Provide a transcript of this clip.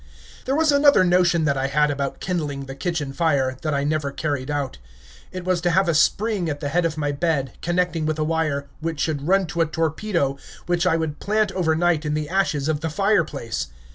There was another notion that I had about kindling the kitchen fire, that I never carried out. It was to have a spring at the head of my bed, connecting with a wire, which should run to a torpedo which I would plant over night in the ashes of the fireplace.